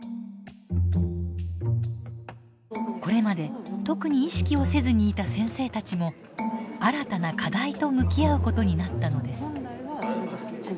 これまで特に意識をせずにいた先生たちも新たな課題と向き合うことになったのです。